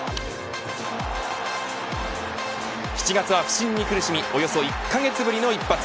７月は不振に苦しみおよそ１カ月ぶりの一発。